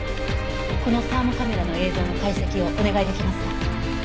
このサーモカメラの映像の解析をお願いできますか？